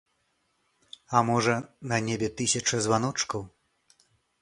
А можа, на небе тысяча званочкаў?